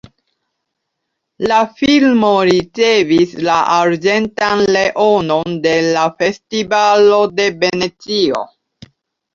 La filmo ricevis la arĝentan leonon de la festivalo de Venecio.